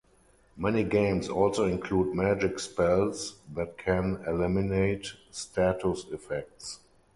Many games also include magic spells that can eliminate status effects.